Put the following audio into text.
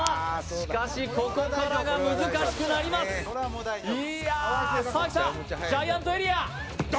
しかし、ここからが難しくなりますジャイアントエリア。